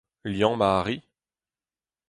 Liammañ a ri.